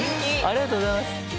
ありがとうございます！